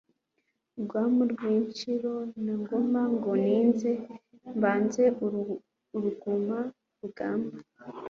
Rwamu rw' Inshiro na Ngoma Ngo ninze mbanze uruguma mu rugamba